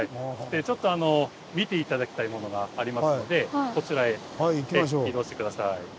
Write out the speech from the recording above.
ちょっと見て頂きたいものがありますのでこちらへ移動して下さい。